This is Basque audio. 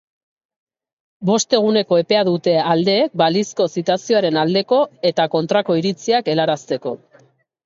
Bost eguneko epea dute aldeek balizko zitazioaren aldeko eta kontrako iritziak helarazteko.